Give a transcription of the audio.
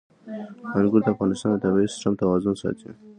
انګور د افغانستان د طبعي سیسټم توازن ساتي.